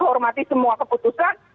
hormati semua keputusan